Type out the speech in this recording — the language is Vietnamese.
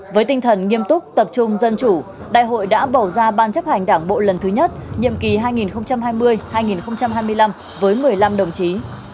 với tinh thần nghiêm túc tập trung dân chủ đại hội đã bầu ra ban chấp hành đảng bộ lần thứ nhất nhiệm kỳ hai nghìn hai mươi hai nghìn hai mươi năm với một mươi năm đồng chí